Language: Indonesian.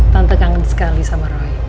tante kangen sekali sama roy